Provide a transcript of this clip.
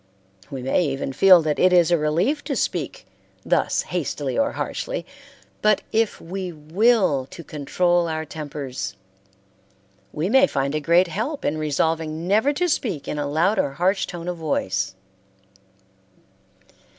We may even feel that it is a relief to speak thus hastily or harshly, but if we will to control our tempers we may find a great help in resolving never to speak in a loud or harsh tone of voice.